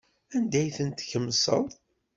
Anda ay tent-tkemseḍ?